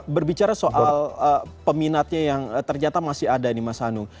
berbicara soal peminatnya yang ternyata masih ada nih mas hanum